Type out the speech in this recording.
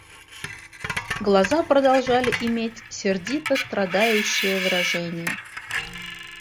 Глаза продолжали иметь сердито-страдающее выражение.